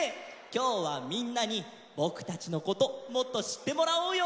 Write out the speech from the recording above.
きょうはみんなにぼくたちのこともっとしってもらおうよ。